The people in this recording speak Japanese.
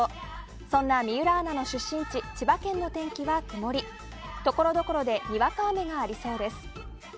そんな水卜アナの出身地千葉の天気は曇りところどころでにわか雨がありそうです。